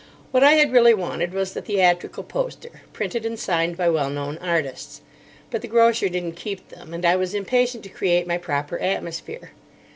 What I had really wanted was the theatrical poster, printed and signed by well known artists. But the grocer didn't keep them, and I was impatient to create my proper atmosphere.